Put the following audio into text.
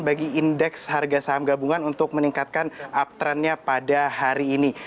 bagi indeks harga saham gabungan untuk meningkatkan uptrendnya pada hari ini